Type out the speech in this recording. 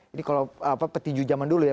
ini kalau petinju zaman dulu ya